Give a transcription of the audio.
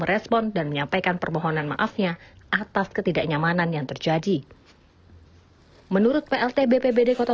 respon dan menyampaikan permohonan maafnya atas ketidaknyamanan yang terjadi menurut plt bpbd kota